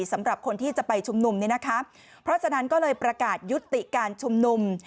สำหรับคนที่จะไปชุมนุมเนี่ยนะคะเพราะฉะนั้นก็เลยประกาศยุติการชุมนุม